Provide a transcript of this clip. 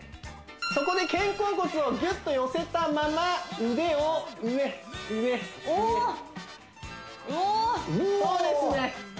そこで肩甲骨をギュッと寄せたまま腕を上上上おおっうおそうですね